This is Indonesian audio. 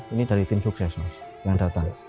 delapan puluh ini dari tim sukses yang datang